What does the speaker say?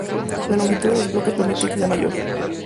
La longitud de los bloques permite que sea mayor.